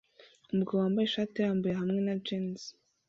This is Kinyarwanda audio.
Umugabo wambaye ishati irambuye hamwe na jans